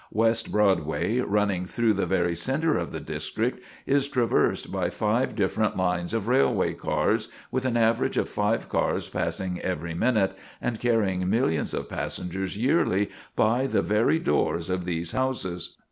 West Broadway, running through the very centre of the district, is traversed by five different lines of railway cars, with an average of five cars passing every minute, and carrying millions of passengers yearly by the very doors of these houses.